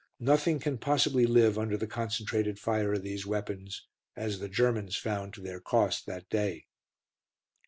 Nothing can possibly live under the concentrated fire of these weapons, as the Germans found to their cost that day.